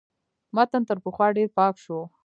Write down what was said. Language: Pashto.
متن تر پخوا ډېر پاک شو.